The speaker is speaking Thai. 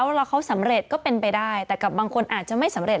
แล้วเขาสำเร็จก็เป็นไปได้แต่กับบางคนอาจจะไม่สำเร็